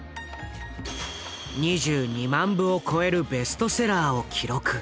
２２万部を超えるベストセラーを記録。